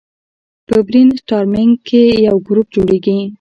په برین سټارمینګ کې یو ګروپ جوړیږي.